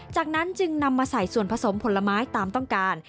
จากนั้นจึงนำมาใส่ส่วนผสมผลไม้ตามต้องการ